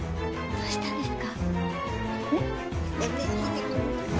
どうしたんですか！